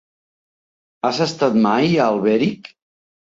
Has estat mai a Alberic?